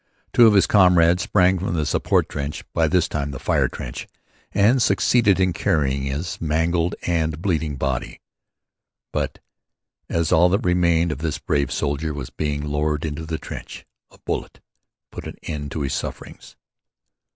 Two of his comrades sprang from the support trench by this time the fire trench and succeeded in carrying in his mangled and bleeding body. But as all that remained of this brave soldier was being lowered into the trench a bullet put an end to his sufferings.